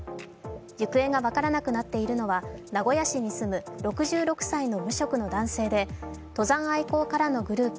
行方が分からなくなっているのは名古屋市に住む６６歳の無職の男性で登山愛好家らのグループ